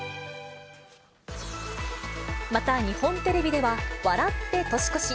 また、日本テレビでは、笑って年越し！